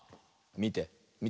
みてみて。